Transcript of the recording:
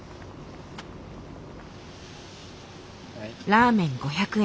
ラーメン５００円。